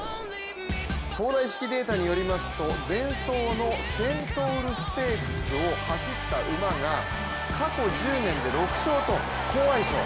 東大式データによりますと前走のセントウルステークスを走った馬が過去１０年で６勝と好相性。